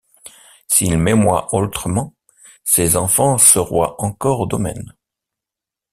S’il m’aymoyt aultrement, ses enfans seroyent encores au domaine.